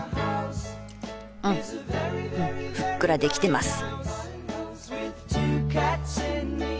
うんうんふっくらできてます。